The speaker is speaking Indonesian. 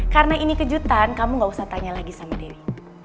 karena ini kejutan kamu gak usah tanya lagi sama dewi